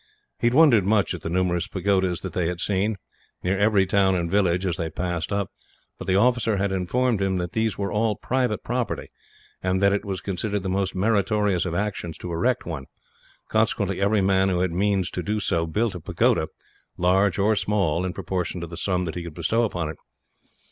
He had wondered much at the numerous pagodas that they had seen, near every town and village, as they passed up; but the officer had informed him that these were all private property, and that it was considered the most meritorious of actions to erect one; consequently every man who had means to do so built a pagoda, large or small in proportion to the sum that he could bestow upon it.